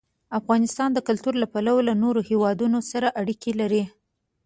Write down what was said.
افغانستان د کلتور له پلوه له نورو هېوادونو سره اړیکې لري.